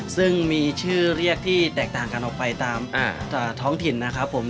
ซึ่งมีชื่อเรียกที่แตกต่างกันออกไปตามท้องถิ่นนะครับผม